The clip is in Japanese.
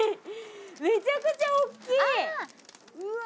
めちゃくちゃおっきいうわ